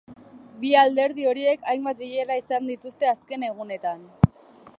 Bi alderdi horiek hainbat bilera izan dituzte azken egunetan.